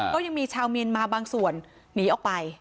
ก็ยังมีชาวเมียนมาบางส่วนหนีออกไป